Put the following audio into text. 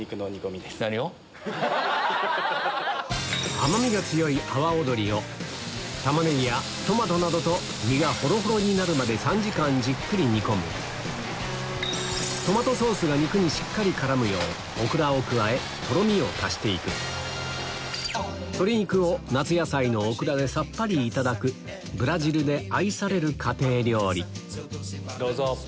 甘みが強い阿波尾鶏をタマネギやトマトなどと身がホロホロになるまで３時間じっくり煮込みトマトソースが肉にしっかり絡むようオクラを加えとろみを足していく鶏肉を夏野菜のオクラでさっぱりいただくブラジルで愛される家庭料理どうぞ。